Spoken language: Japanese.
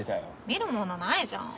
見るものないじゃん。